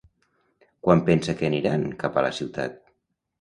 Quan pensa que aniran cap a la ciutat?